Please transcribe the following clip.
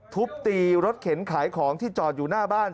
ทุบตีรถเข็นขายของที่จอดอยู่หน้าบ้าน